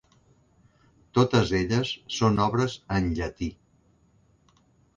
Totes elles són obres en llatí.